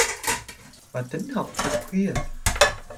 và tính học thật khuya